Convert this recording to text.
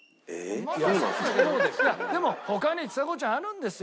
いやでも他にちさ子ちゃんあるんですよ。